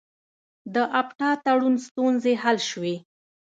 د اپټا تړون ستونزې حل شوې؟